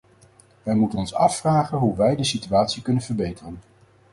Wij moeten ons afvragen hoe wij de situatie kunnen verbeteren.